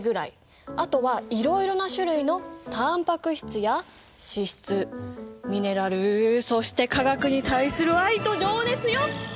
あとはいろいろな種類のたんぱく質や脂質ミネラルそして化学に対する愛と情熱よ！